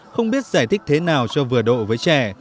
không biết giải thích thế nào cho vừa độ với trẻ